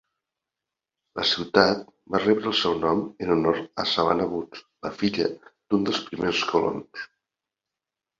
La ciutat va rebre el seu nom en honor a Savannah Woods, la filla d'un dels primers colons.